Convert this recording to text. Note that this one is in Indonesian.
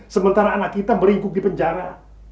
sementara anak kita beringup di penjara